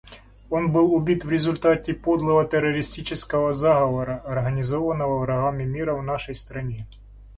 Он был убит в результате подлого террористического заговора, организованного врагами мира в нашей стране.